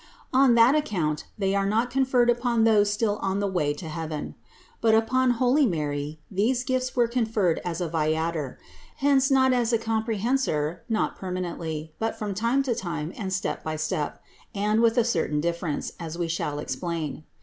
On that account they are not conferred upon those still on the way to heaven. But upon holy Mary these gifts were conferred as a viator; hence not as on a comprehensor, not per manently, but from time to time and step by step, and with a certain difference, as we shall explain.